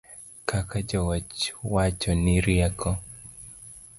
Kaka jowach wacho ni rieko